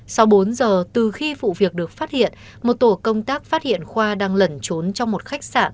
sau bốn giờ từ khi vụ việc được phát hiện một tổ công tác phát hiện khoa đang lẩn trốn trong một khách sạn